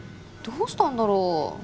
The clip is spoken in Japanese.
どうしたんだろう？